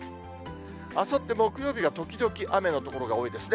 あさって木曜日は時々雨の所が多いですね。